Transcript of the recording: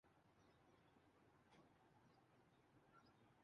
یہ واقعہ بارسلونا کے تھیم پارک میں پیش آیا